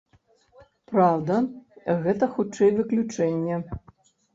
Праўда, гэта хутчэй выключэнне.